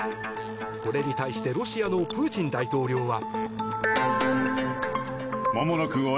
これに対してロシアのプーチン大統領は。